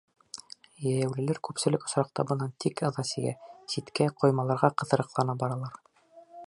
Йәйәүлеләр күпселек осраҡта бынан тик ыҙа сигә: ситкә, ҡоймаларға ҡыҫырыҡлана баралар.